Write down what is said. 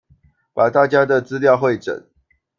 把大家的資料彙整